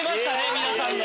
皆さんの。